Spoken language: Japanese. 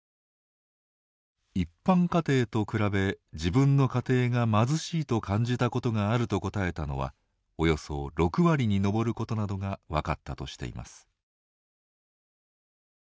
「一般家庭と比べ自分の家庭が貧しいと感じたことがある」と答えたのはおよそ６割に上ることなどが分かったとしています。